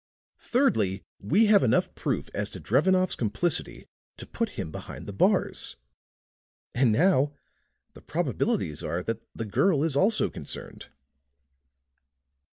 Thirdly, we have enough proof as to Drevenoff's complicity to put him behind the bars; and now the probabilities are that the girl is also concerned."